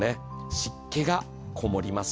湿気がこもります。